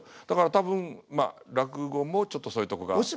だから多分まあ落語もちょっとそういうとこが。